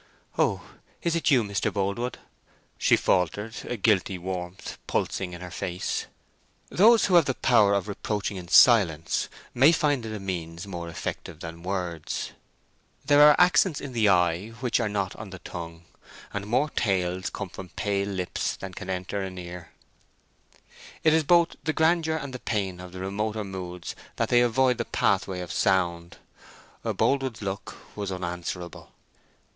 "Oh; is it you, Mr. Boldwood?" she faltered, a guilty warmth pulsing in her face. Those who have the power of reproaching in silence may find it a means more effective than words. There are accents in the eye which are not on the tongue, and more tales come from pale lips than can enter an ear. It is both the grandeur and the pain of the remoter moods that they avoid the pathway of sound. Boldwood's look was unanswerable.